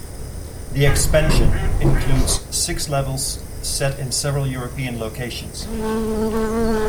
The expansion includes six levels set in several European locations.